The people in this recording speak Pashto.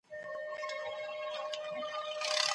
په ورور تور پوري کوې په زړه خیرنه